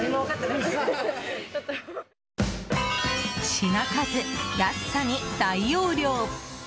品数、安さに大容量！